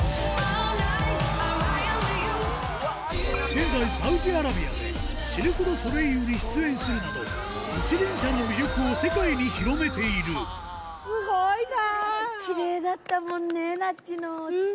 現在サウジアラビアでシルク・ドゥ・ソレイユに出演するなど一輪車の魅力を世界に広めているスゴいな！